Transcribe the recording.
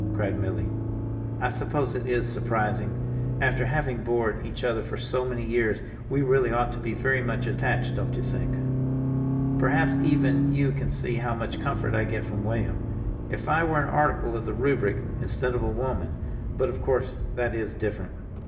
cried Milly. "I suppose it is surprising. After having bored each other for so many years, we really ought to be very much attached, don't you think? Perhaps even you can see how much comfort I get from William. If I were an article of the Rubric, instead of a woman—but of course, that is different."